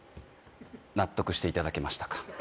納得していただけましたか？